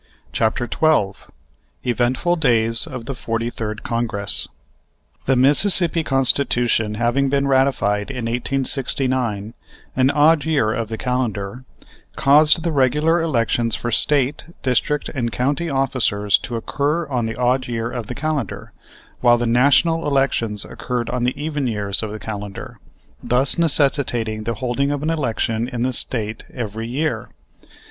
CHAPTER XII EVENTFUL DAYS OF THE FORTY THIRD CONGRESS The Mississippi Constitution having been ratified in 1869, an odd year of the calendar, caused the regular elections for State, district and county officers to occur on the odd year of the calendar, while the National elections occurred on the even years of the calendar, thus necessitating the holding of an election in the State every year.